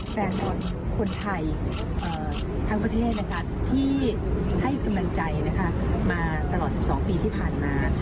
แฟนบอลคนไทยทั้งประเทศที่ให้กำลังใจนะคะมาตลอด๑๒ปีที่ผ่านมา